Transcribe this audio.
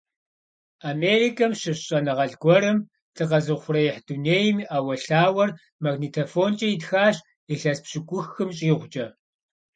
Америкэм щыщ щӀэныгъэлӀ гуэрым дыкъэзыухъуреихь дунейм и Ӏэуэлъауэр магнитофонкӀэ итхащ илъэс пщыкӀухым щӀигъукӀэ.